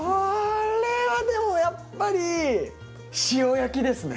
これはでもやっぱり塩焼きですね。